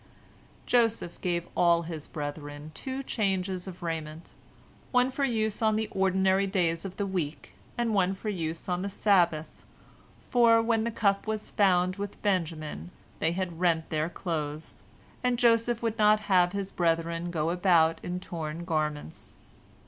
" Joseph gave all his brethren two changes of raiment, one for use on the ordinary days of the week and one for use on the Sabbath, for, when the cup was found with Benjamin, they had rent their clothes, and Joseph would not have his brethren go about in torn garments.